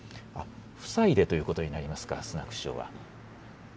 夫妻でということになりますか、スナク首相は。